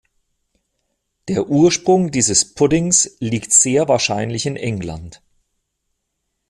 Der Ursprung dieses Puddings liegt sehr wahrscheinlich in England.